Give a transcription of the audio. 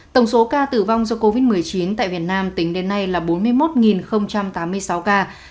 tổng số ca tử vong do covid một mươi chín tại việt nam tính đến nay là bốn mươi một tám mươi sáu ca